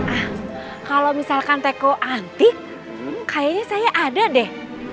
ah kalau misalkan teko anti kayaknya saya ada deh